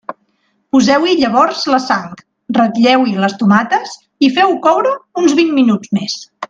Poseu-hi llavors la sang, ratlleu-hi les tomates i feu-ho coure uns vint minuts més.